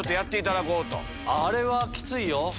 あれはキツいよ。